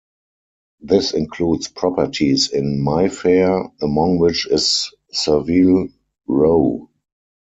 This includes properties in Mayfair, among which is Savile Row.